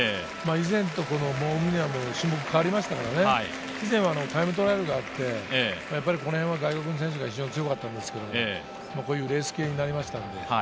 以前とオムニアム種目変わりましたから、以前はタイムトライアルがあって、このへんは外国の選手が非常に強かったんですけれども、こういうレース系になりましたから。